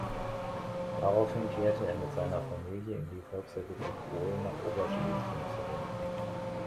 Daraufhin kehrte er mit seiner Familie in die Volksrepublik Polen nach Oberschlesien zurück.